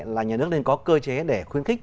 là nhà nước nên có cơ chế để khuyến khích